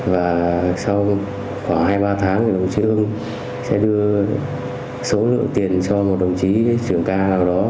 và sau khoảng hai ba tháng thì đồng chí trương sẽ đưa số lượng tiền cho một đồng chí trưởng ca nào đó